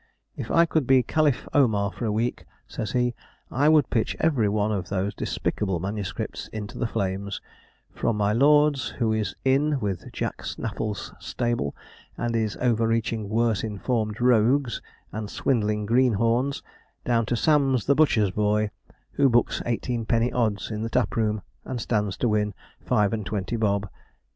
If I could be CALIPH OMAR for a week,' says he, 'I would pitch every one of those despicable manuscripts into the flames; from my lord's, who is "in" with Jack Snaffle's stable, and is overreaching worse informed rogues, and swindling greenhorns, down to Sam's, the butcher's boy, who books eighteen penny odds in the tap room, and stands to win five and twenty bob.'